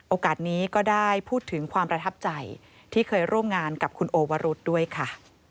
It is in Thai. โอกาสนี้ก็ได้พูดถึงความประทับใจที่เคยร่วมงานกับคุณโอวรุษด้วยค่ะ